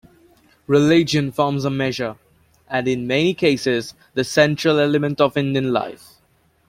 Religion forms a major, and in many cases, the central element of Indian life.